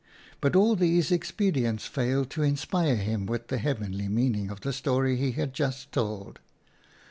But all these expedients failed to inspire him with the heavenly meaning of the story he had just told.